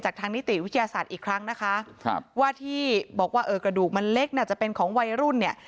ทางนิติวิทยาศาสตร์อีกครั้งนะคะครับว่าที่บอกว่าเออกระดูกมันเล็กน่าจะเป็นของวัยรุ่นเนี่ย